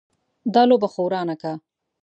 دا لوبه خو ورانه که.